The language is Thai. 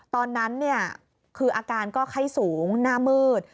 ตอนนั้นคืออาการก็ไข้สูงหน้ามืด